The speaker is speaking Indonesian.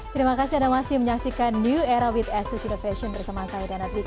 terima kasih anda masih menyaksikan new era with asus innovation bersama saya dana twit